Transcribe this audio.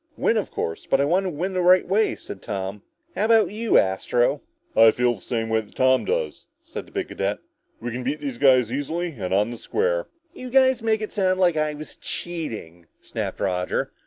"Win, of course, but I want to win the right way," said Tom. "How about you, Astro?" asked Roger. "I feel the same way that Tom does," said the big cadet. "We can beat these guys easily and on the square." "You guys make it sound like I was cheating," snapped Roger.